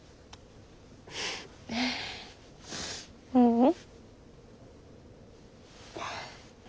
ううん。